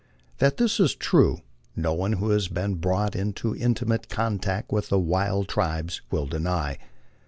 That this is true no one who has been brought into intimate contact with the wild tribes will deny.